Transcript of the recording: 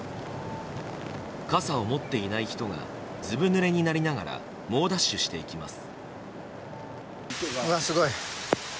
傘を持っていない人がずぶぬれになりながら猛ダッシュしていきます。